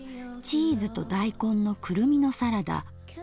「チーズと大根のクルミのサラダ」。